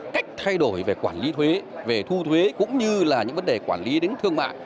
cách thay đổi về quản lý thuế về thu thuế cũng như là những vấn đề quản lý đến thương mại